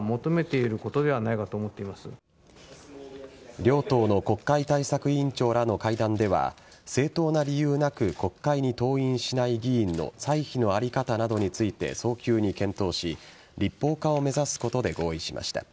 両党の国会対策委員長らの会談では正当な理由なく国会に登院しない議員の歳費の在り方などについて早急に検討し立法化を目指すことで合意しました。